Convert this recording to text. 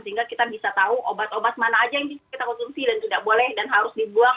sehingga kita bisa tahu obat obat mana aja yang bisa kita konsumsi dan tidak boleh dan harus dibuang